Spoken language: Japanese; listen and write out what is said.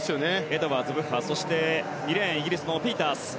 エドワーズ、ブッハーそしてイギリスのピータース。